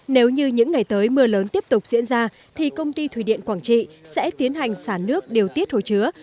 nếu như những ngày tới mưa lớn tiếp tục diễn ra thì công ty thủy điện quảng trị sẽ tiến hành xả nước điều tiết hồ chứa